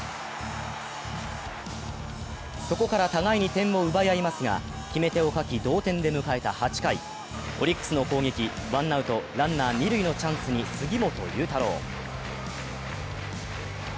そこから互いに点を奪い合いますが決め手を欠き、同点で迎えた８回、オリックスの攻撃、ワンアウト、ランナー二塁のチャンスに杉本裕太郎。